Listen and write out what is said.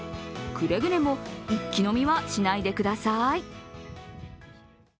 くれぐれも一気飲みはしないでください。